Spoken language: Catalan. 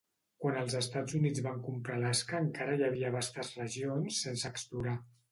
Quan els Estats Units van comprar Alaska encara hi havia vastes regions sense explorar.